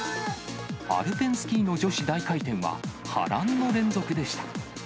アルペンスキーの女子大回転は、波乱の連続でした。